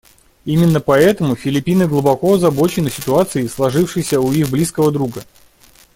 Именно поэтому Филиппины глубоко озабочены ситуацией, сложившейся у их близкого друга.